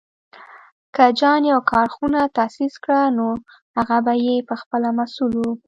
که جان يو کارخونه تاسيس کړه، نو هغه به یې پهخپله مسوول و.